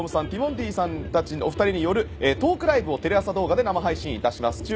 ティモンディさんのお二人によるトークライブをテレ朝動画で生配信いたします。